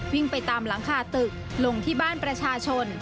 วิ่งไปตามหลังคาตึกลงที่บ้านประชาชน